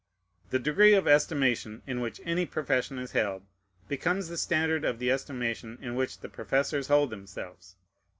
The degree of estimation in which any profession is held becomes the standard of the estimation in which the professors hold themselves.